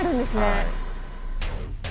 はい。